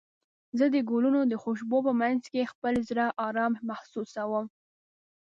زه د ګلونو د خوشبو په مینځ کې خپل زړه ارام محسوسوم.